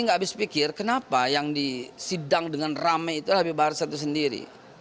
nggak habis pikir kenapa yang di sidang dengan rame itu lebih baru satu sendiri